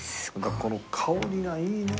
この香りがいいねえ。